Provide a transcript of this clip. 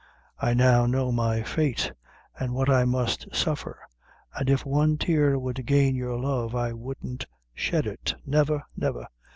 I now know my fate, an' what I must suffer: an' if one tear would gain your love, I wouldn't shed it never, never."